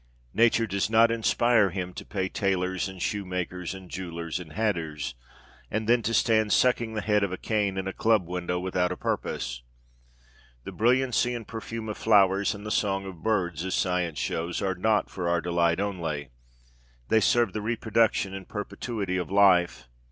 Nature does not inspire him to pay tailors and shoemakers and jewellers and hatters, and then to stand sucking the head of a cane in a club window without a purpose. The brilliancy and perfume of flowers and the song of birds, as science shows, are not for our delight only; they serve the reproduction and perpetuity of life.